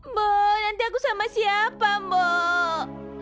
mbok nanti aku sama siapa mbok